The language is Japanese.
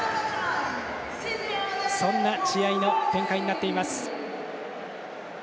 そんな試合の展開になっています。